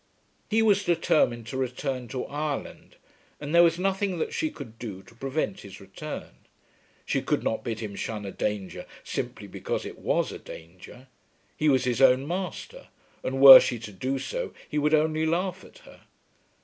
He was determined to return to Ireland, and there was nothing that she could do to prevent his return. She could not bid him shun a danger simply because it was a danger. He was his own master, and were she to do so he would only laugh at her.